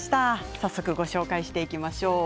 早速、ご紹介していきましょう。